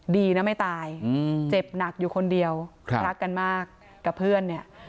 ดีนะไม่ตายเจ็บหนักอยู่คนเดียวรักกันมากกับเพื่อนเนี่ย